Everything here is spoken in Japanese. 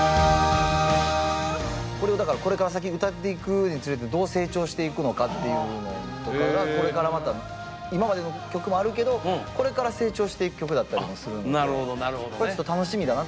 これをだからこれから先歌っていくにつれてどう成長していくのかっていうのんとかがこれからまた今までの曲もあるけどこれから成長していく曲だったりもするのでちょっと楽しみだなっていうのも込めて。